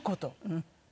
うん。